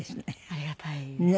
ありがたいですね。